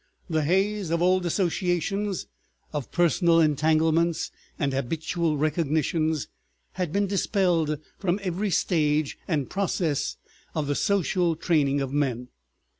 The haze of old associations, of personal entanglements and habitual recognitions had been dispelled from every stage and process of the social training of men.